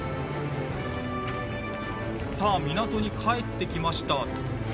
さあ港に帰ってきました。